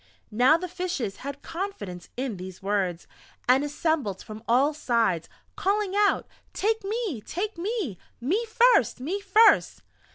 Now the Fishes had confidence in these words, and assembled from all sides, calling out: "Take me!... Take me!... Me first! Me first!"...